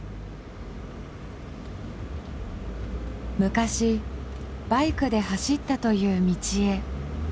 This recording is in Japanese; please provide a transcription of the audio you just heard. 昔バイクで走ったという道へ。